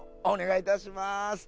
お願いいたします。